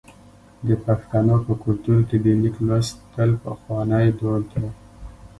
د پښتنو په کلتور کې د لیک لوستل پخوانی دود و.